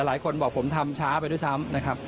หลายคนบอกผมทำช้าไปด้วยซ้ำนะครับ